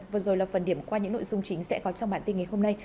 vừa rồi là phần điểm qua những nội dung chính sẽ có trong bản tin ngày hôm nay